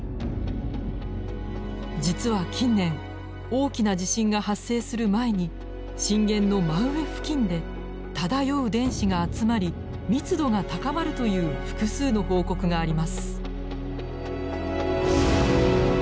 実は近年大きな地震が発生する前に震源の真上付近で漂う電子が集まり密度が高まるという複数の報告があります。